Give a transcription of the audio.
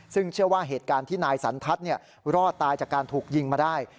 ซึ่งเชื่อว่าเหตุการณ์ที่นายสันทัศน์รอดตายจากการถูกยิงมาได้